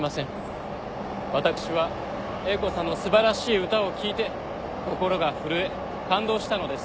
私は英子さんの素晴らしい歌を聴いて心が震え感動したのです。